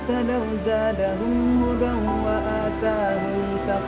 apa yang sudah hampir dan masing m rehab jillingang